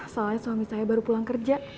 soalnya suami saya baru pulang kerja